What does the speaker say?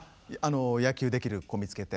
野球できる子見つけて。